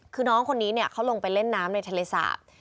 คือน้องคนนี้เนี่ยเขาลงไปเล่นน้ำในทะเลสาบ